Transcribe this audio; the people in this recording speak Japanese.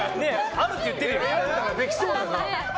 あるって言ってるよ。